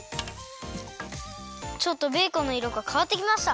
ちょっとベーコンのいろがかわってきました。